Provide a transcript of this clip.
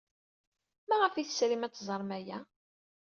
Maɣef ay tesrim ad teẓrem aya?